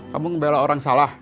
kamu membela orang salah